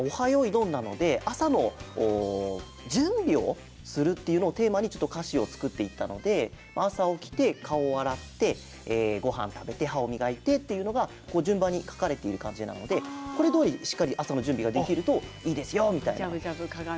よいどん」なので朝の準備をするっていうのをテーマにちょっと歌詞を作っていったので朝起きて顔を洗って、ごはんを食べて歯を磨いてっていうのが順番に書かれている感じなのでこれどおりしっかり朝の準備ができるといいですよみたいな。